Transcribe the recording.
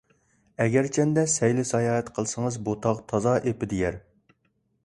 ئەگەرچەندە سەيلە - ساياھەت قىلسىڭىز، بۇ تاغ تازا ئېپىدە يەر.